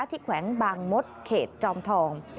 แขวงบางมดเขตจอมทอง